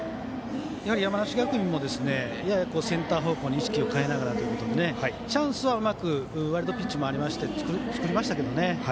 山梨学院もややセンター方向に意識を変えながらということでチャンスはうまくワイルドピッチもありまして作りましたけどね